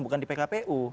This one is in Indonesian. bukan di pkpu